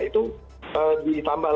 itu ditambah lagi